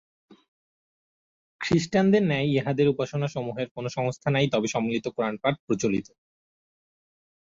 খ্রীষ্টানদের ন্যায় ইঁহাদের উপাসনাসমূহের কোন সংস্থা নাই, তবে সম্মিলিত কোরানপাঠ প্রচলিত।